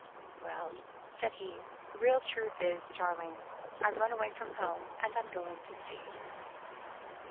"Well," said he, "the real true truth is, Charling, I've run away from home, and I'm going to sea."